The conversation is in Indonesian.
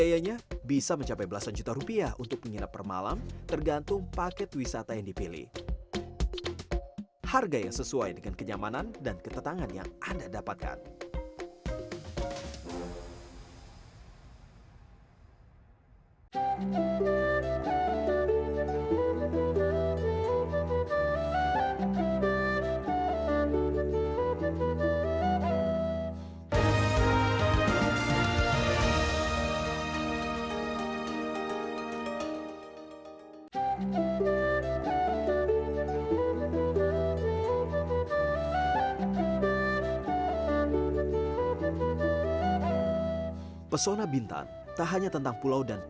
jadi sampai sekarang tidak luput daripada peringatan apapun